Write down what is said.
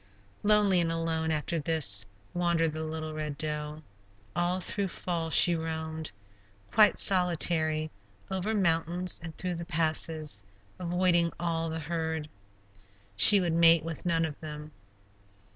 Lonely and alone, after this, wandered the little Red Doe; all through fall she roamed, quite solitary, over mountains and through the passes, avoiding all the herd; she would mate with none of them.